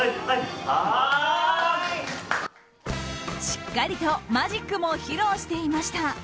しっかりとマジックも披露していました。